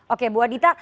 oke bu adita